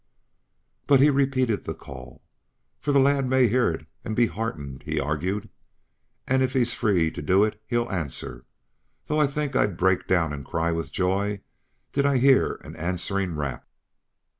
But he repeated the call. "For the lad may hear it and be heartened," he argued. "And if he's free to do it he'll answer though I think I'd break down and cry with joy did I hear an answerin' rap."